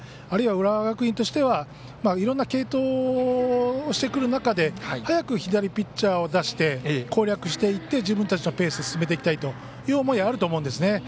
あるいは浦和学院としてはいろんな継投をしてくる中で早く左ピッチャーを出して攻略していって自分たちのペースで進めていきたいという思いはあると思うんですね。